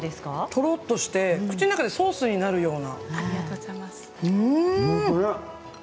とろっとして口の中でソースになるような。